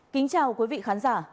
kính chào quý vị khán giả